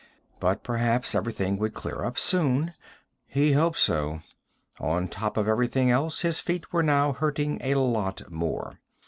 But perhaps everything would clear up soon. He hoped so. On top of everything else, his feet were now hurting a lot more.